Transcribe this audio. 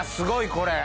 これ。